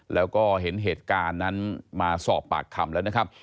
แล้วก็เห็นเหตุการณ์นั้นมาสอบปากคำแล้วนะครับ